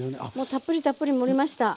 たっぷりたっぷり盛りました。